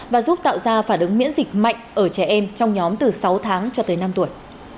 và giúp tạo ra phản ứng miễn dịch mạnh ở trẻ em trong nhóm từ sáu tháng cho tới năm tuổi